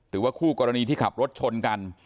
หรือว่าคู่กรณีที่ขับรถชนกัน